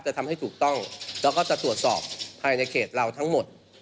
จะทำให้ถูกต้องแล้วก็จะตรวจสอบภายในเขตเราทั้งหมด